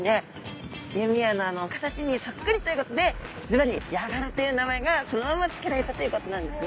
弓矢のあの形にそっくりということでずばりヤガラという名前がそのまま付けられたということなんですね。